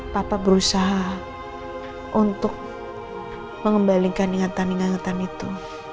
papa berusaha untuk mengembalikan ingatan ingatan itu